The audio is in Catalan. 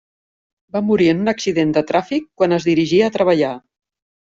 Va morir en un accident de tràfic quan es dirigia a treballar.